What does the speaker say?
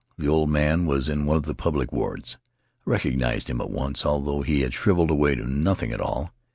The old man was in one of the public wards. I recognized him at once, although he had shriveled away to nothing at all.